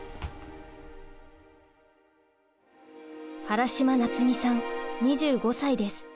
原島なつみさん２５歳です。